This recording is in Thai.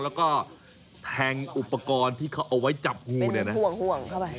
แล้วก็แทงอุปกรณ์ที่เขาเอาไว้จับงูเนี่ยนะห่วงเข้าไป